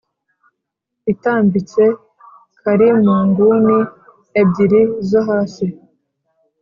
itambitse kari mu nguni ebyiri zo hasi